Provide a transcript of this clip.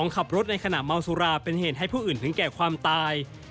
ขับรถในขณะเมาสุราเป็นเหตุให้ผู้อื่นถึงแก่ความตาย